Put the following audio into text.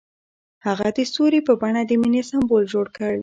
هغه د ستوري په بڼه د مینې سمبول جوړ کړ.